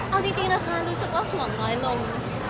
เอาจริงนะคะรู้สึกว่าห่วงน้อยลง